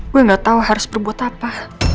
gue gak tau harus berbuat apa